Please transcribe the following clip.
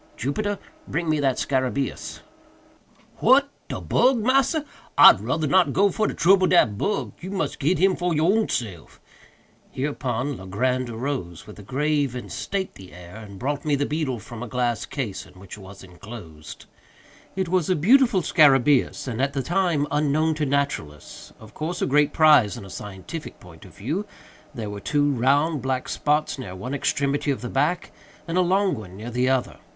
Jupiter; bring me that scarabæus!" "What! de bug, massa? I'd rudder not go fer trubble dat bug—you mus' git him for your own self." Hereupon Legrand arose, with a grave and stately air, and brought me the beetle from a glass case in which it was enclosed. It was a beautiful scarabæus, and, at that time, unknown to naturalists—of course a great prize in a scientific point of view. There were two round, black spots near one extremity of the back, and a long one near the other.